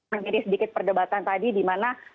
menjadi sedikit perdebatan tadi dimana